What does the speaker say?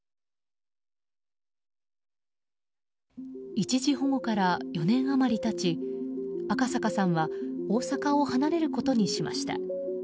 一時保護から４年余り経ち赤阪さんは大阪を離れることにしました。